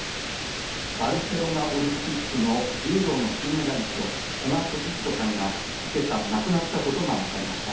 バルセロナオリンピックの柔道の金メダリスト、古賀稔彦さんがけさ亡くなったことが分かりました。